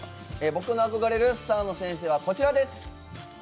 僕の憧れるスターの先生はこちらです。